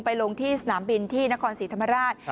ลงที่สนามบินที่นครศรีธรรมราช